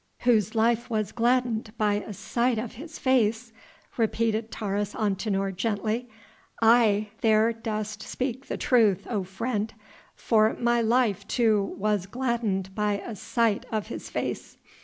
"Whose life was gladdened by a sight of His face!" repeated Taurus Antinor gently. "Aye! there dost speak the truth, O friend! for my life too was gladdened by a sight of His face.